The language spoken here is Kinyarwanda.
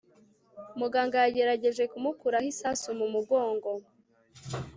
muganga yagerageje kumukuraho isasu mumugongo